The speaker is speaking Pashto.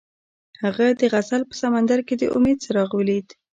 هغه د غزل په سمندر کې د امید څراغ ولید.